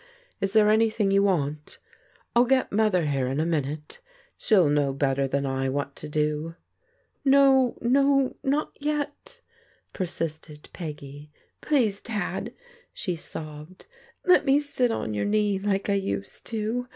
Is there anything you want? I'll get Mother here in a minute. She'll know better than I what to do." " No, no ! not yet," persisted Peggy. " Please, Dad," she sobbed, " let me sit on your knee like I used to.